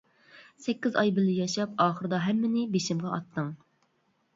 سەككىز ئاي بىللە ياشاپ، ئاخىردا ھەممىنى بېشىمغا ئاتتىڭ.